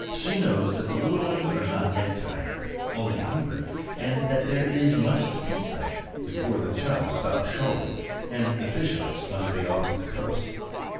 She knows that the little ones are not yet tired, only hungry; and that there is much to teach them before the chub stop shoaling and fishhawks must be off to the coast.